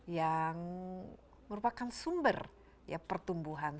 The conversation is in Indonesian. yang merupakan sumber pertumbuhan